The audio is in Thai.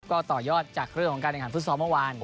ก็ต่อยอดจากเรื่องของการแข่งขันฟุตซอลเมื่อวาน